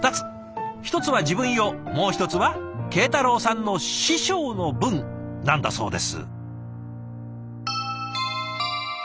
１つは自分用もう一つは慶太郎さんの師匠の分なんだそうです。